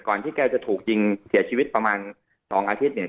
ที่แกจะถูกยิงเสียชีวิตประมาณ๒อาทิตย์เนี่ย